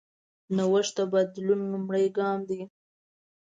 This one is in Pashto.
نوښت د بدلون لومړنی ګام دی.